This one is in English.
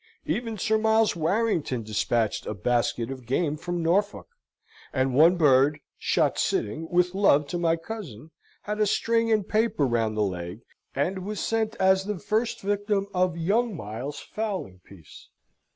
Even Sir Miles Warrington despatched a basket of game from Norfolk: and one bird (shot sitting), with love to my cousin, had a string and paper round the leg, and was sent as the first victim of young Miles's fowling piece.